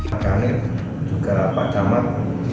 maka ini juga patamat